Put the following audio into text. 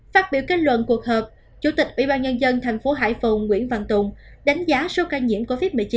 phát biểu kết luận cuộc hợp chủ tịch ubnd tp hải phòng nguyễn văn tùng đánh giá số ca nhiễm covid một mươi chín